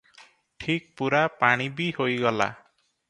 ଠିକ୍ ପୂରା ପାଣି ବି ହୋଇଗଲା ।